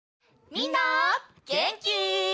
みんなげんき？